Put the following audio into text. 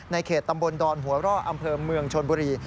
เขตตำบลดอนหัวร่ออำเภอเมืองชนบุรี